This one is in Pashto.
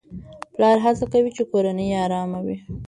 پلار هڅه کوي چې کورنۍ يې آرامه وي.